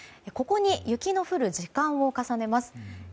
ここに雪の降る時間を重ねます。